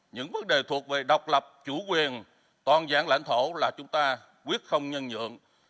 những vấn đề thuộc về độc lập chủ quyền toàn diện lãnh thổ là chúng ta quyết không nhân nhượng